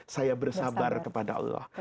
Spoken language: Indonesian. saya bersabar kepada allah